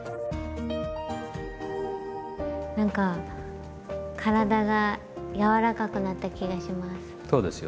何か体がやわらかくなった気がします。